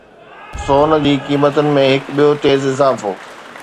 سون جي قيمتن ۾ هڪ ٻيو تيز اضافو